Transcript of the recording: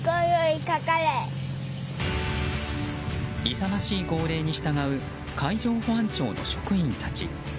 勇ましい号令に従う海上保安庁の職員たち。